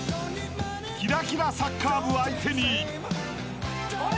［キラキラサッカー部相手に］